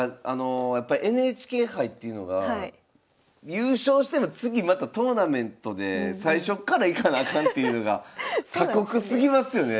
やっぱりＮＨＫ杯っていうのが優勝しても次またトーナメントで最初っからいかなあかんっていうのが過酷すぎますよね。